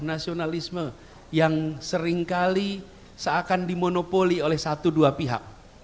nasionalisme yang seringkali seakan dimonopoli oleh satu dua pihak